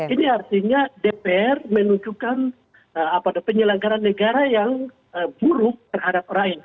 ini artinya dpr menunjukkan apa ada penyelenggaran negara yang buruk terhadap rakyat